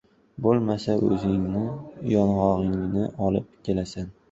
Bo‘lmasa o‘zingni yong‘og‘ingni olib kelasan.